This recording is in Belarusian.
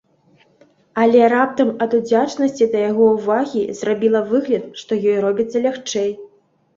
Але раптам, ад удзячнасці да яго ўвагі, зрабіла выгляд, што ёй робіцца лягчэй.